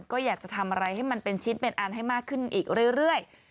ก็อยากจะทำอะไรให้มันเป็นชิ้นเป็นอันให้มากขึ้นอีกเรื่อย